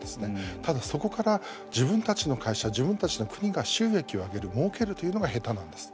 ただ、そこから自分たちの会社自分たちの国が収益を上げるもうけるというのが下手なんです。